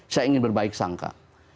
saya ingin berbaik sangka